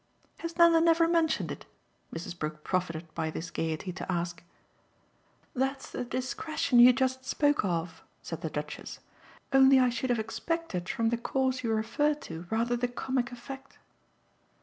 "Has Nanda never mentioned it?" Mrs. Brook profited by this gaiety to ask. "That's the discretion you just spoke of," said the Duchess. "Only I should have expected from the cause you refer to rather the comic effect."